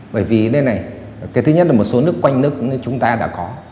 bởi vì nơi này thứ nhất là một số nước quanh nước chúng ta đã có